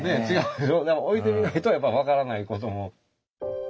でも置いてみないとやっぱ分からないことも。